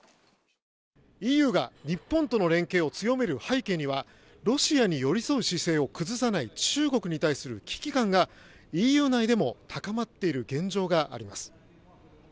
ＥＵが日本との連携を強める背景にはロシアに寄り添う姿勢を崩さない中国に対する危機感がＥＵ内でも高まっている現状があります。